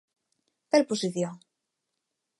¿Cal posición?